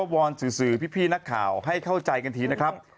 วอนสื่อพี่นักข่าวให้เข้าใจกันทีนะครับ